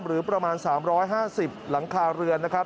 หรือประมาณสามร้อยห้าสิบหลังคาเรือนนะครับ